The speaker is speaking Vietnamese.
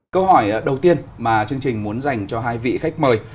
câu hỏi đầu tiên mà chương trình muốn dành cho hai vị khách mời